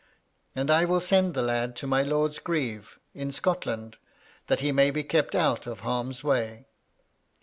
And I will send the lad to my lord's grieve, in Scotland, that he may be kept out of harm's way."